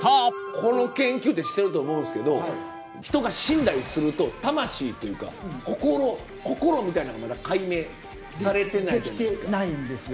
この研究ってしてると思うんですけど人が死んだりすると魂というか心心みたいなんがまだ解明されてないじゃないですか。